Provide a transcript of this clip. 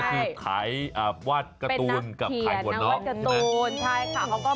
ก็คือขายวาดการ์ตูนกับขายหัวเราะใช่ไหมเป็นนักเขียนนะวาดการ์ตูน